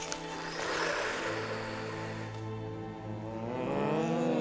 うん。